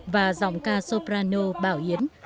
và giọng ca soprano bảo yến